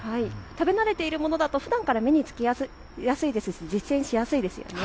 食べ慣れているものだとふだんから目に付きやすいですし実践しやすいですよね。